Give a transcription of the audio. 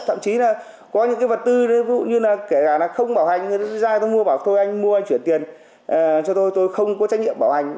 thậm chí là có những cái vật tư như là kể cả là không bảo hành người ra tôi mua bảo thôi anh mua anh chuyển tiền cho tôi tôi không có trách nhiệm bảo hành